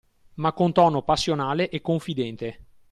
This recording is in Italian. Ma con tono passionale e confidente